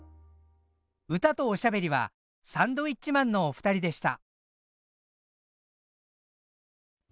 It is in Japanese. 歌とおしゃべりはサンドウィッチマンのお二人でした。